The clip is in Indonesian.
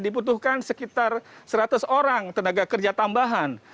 diputuhkan sekitar seratus orang tenaga kerja tambahan